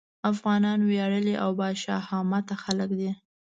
افغانان وياړلي او باشهامته خلک دي.